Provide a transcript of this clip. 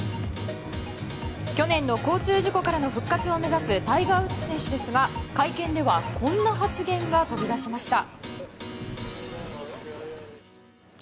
去年の交通事故からの復活を目指すタイガー・ウッズ選手ですが会見ではこんな発言が飛び出しました。